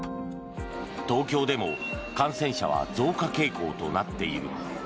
東京でも感染者は増加傾向となっている。